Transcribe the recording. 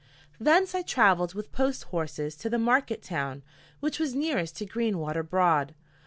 Thence I traveled with post horses to the market town which was nearest to Greenwater Broad.